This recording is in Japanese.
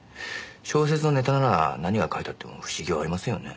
小説のネタなら何が書いてあっても不思議はありませんよね。